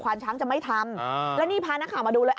ช้างจะไม่ทำแล้วนี่พานักข่าวมาดูเลย